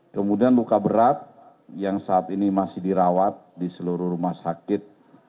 kemudian luka berat yang saat ini masih dirawat di seluruh rumah sakit